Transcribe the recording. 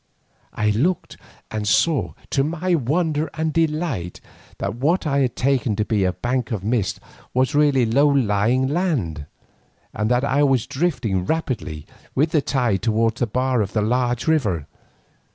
I looked and saw to my wonder and delight, that what I had taken to be a bank of mist was really low lying land, and that I was drifting rapidly with the tide towards the bar of a large river.